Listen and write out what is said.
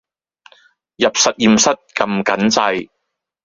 入實驗室㩒緊掣